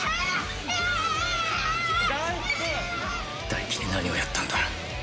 大樹に何をやったんだ。